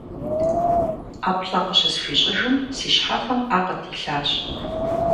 ӀэплӀэ къыщысхуищӀыжым, си щхьэфэм Ӏэ къыдилъащ.